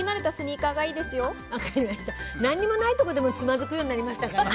何もないところでもつまずくようになりましたからね。